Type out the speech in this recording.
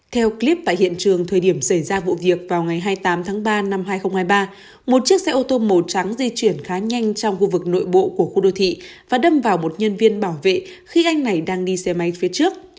theo clip tại hiện trường thời điểm xảy ra vụ việc vào ngày hai mươi tám tháng ba năm hai nghìn hai mươi ba một chiếc xe ô tô màu trắng di chuyển khá nhanh trong khu vực nội bộ của khu đô thị và đâm vào một nhân viên bảo vệ khi anh này đang đi xe máy phía trước